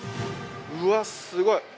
うわ、すごい。